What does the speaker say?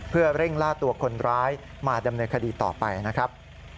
เพื่อเร่งล่าตัวคนร้ายมาดำเนินคดีต่อไปนะครับ